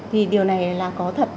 thì điều này là có thật một trăm linh